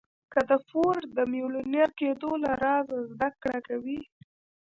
که د فورډ د ميليونر کېدو له رازه زده کړه کوئ.